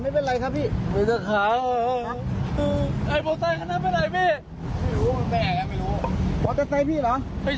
ไม่ใช่คันนี้ตัดหน้าผมอ่ะ